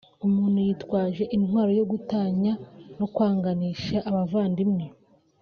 umuntu yitwaje intwaro yo gutanya no kwanganisha abavandimwe